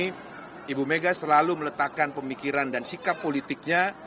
ibu megawati soekarno putri selalu meletakkan pemikiran dan sikap politiknya